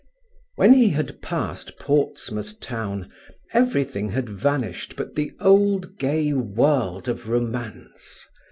When he had passed Portsmouth Town everything had vanished but the old gay world of romance.